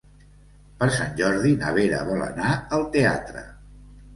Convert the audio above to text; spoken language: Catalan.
Per Sant Jordi na Vera vol anar al teatre.